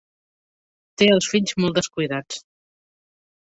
Té els fills molt descuidats.